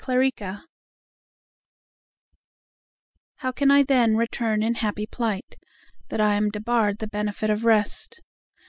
XXVIII How can I then return in happy plight, That am debarre'd the benefit of rest?